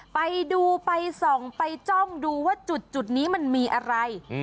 ไปดูไปส่องไปจ้องดูว่าจุดนี้มันมีอะไร